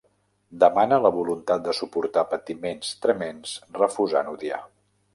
Demana la voluntat de suportar patiments tremends refusant odiar.